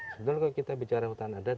sebenarnya kalau kita bicara hutan adat